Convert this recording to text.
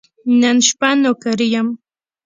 نن شپه نوکري یم .